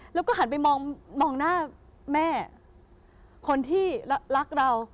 แล้วก็หันไปมองหน้าแม่คนที่รักเรา